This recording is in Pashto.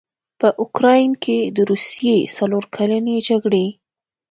په اوکراین کې د روسیې څلورکلنې جګړې